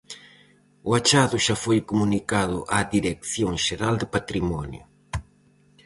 O achado xa foi comunicado á dirección xeral de patrimonio.